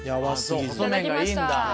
細麺がいいんだ。